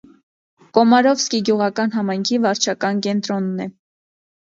Կոմարովսկի գյուղական համայնքի վարչական կենտրոննէ։